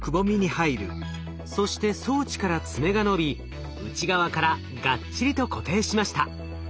そして装置から爪が伸び内側からがっちりと固定しました。